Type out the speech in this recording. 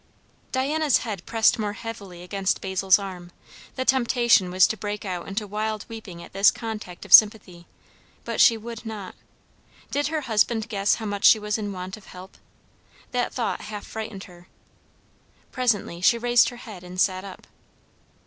Diana's head pressed more heavily against Basil's arm; the temptation was to break out into wild weeping at this contact of sympathy, but she would not. Did her husband guess how much she was in want of help? That thought half frightened her. Presently she raised her head and sat up.